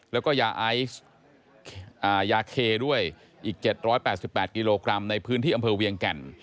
และอายาระเทย์ด้วย๗๘๘กิโลกรัมในพื้นที่อำเภอเวียงแก่น